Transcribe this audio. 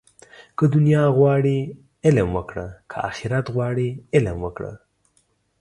که دنیا غواړې، علم وکړه. که آخرت غواړې علم وکړه